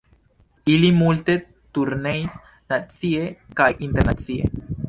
Ili multe turneis, nacie kaj internacie.